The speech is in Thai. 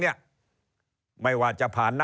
เริ่มตั้งแต่หาเสียงสมัครลง